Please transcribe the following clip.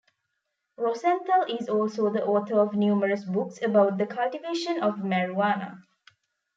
Rosenthal is also the author of numerous books about the cultivation of marijuana.